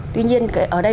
tuy nhiên ở đây